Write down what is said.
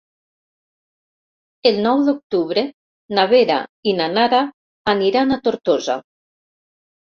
El nou d'octubre na Vera i na Nara aniran a Tortosa.